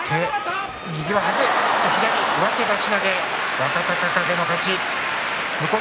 若隆景の勝ちです。